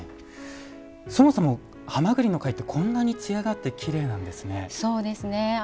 そもそもハマグリの貝ってこんなにつやがあってきれいなんですね。